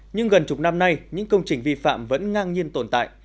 nhưng gần chục năm nay những công trình vi phạm vẫn ngang nhiên tồn tại